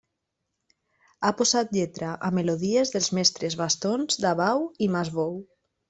Ha posat lletra a melodies dels mestres Bastons, Dabau i Mas Bou.